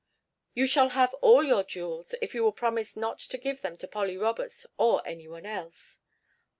"You shall have all your jewels, if you will promise not to give them to Polly Roberts or any one else."